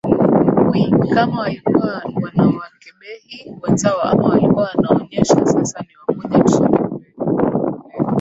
ui kama walikuwa wanawakebehi wenzao ama walikuwa wanaonyesha sasa ni wamoja tusonge mbele